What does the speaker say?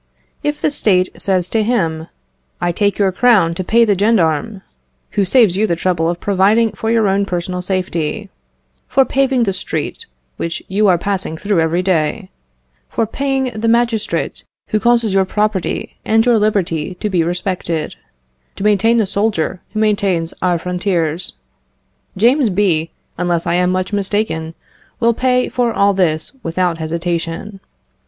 If the State says to him, "I take your crown to pay the gendarme, who saves you the trouble of providing for your own personal safety; for paving the street which you are passing through every day; for paying the magistrate who causes your property and your liberty to be respected; to maintain the soldier who maintains our frontiers," James B., unless I am much mistaken, will pay for all this without hesitation.